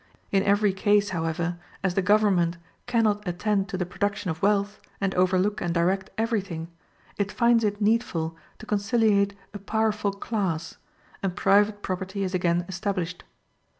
In every case, however, as the government cannot attend to the production of wealth, and overlook and direct everything, it finds it needful to conciliate a powerful class, and private property is again established.